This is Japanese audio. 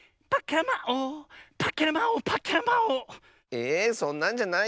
えそんなんじゃないよ。